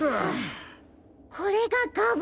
これがガブ。